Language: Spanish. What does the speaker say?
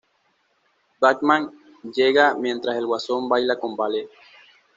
Batman llega mientras el Guasón baila con Vale.